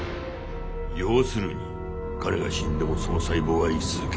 要するに彼が死んでもその細胞は生き続け